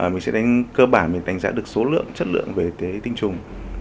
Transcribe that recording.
mình sẽ đánh cơ bản mình đánh giá được số lượng chất lượng về tinh trùng